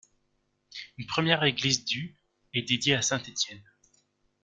Une première église du est dédiée à saint Étienne.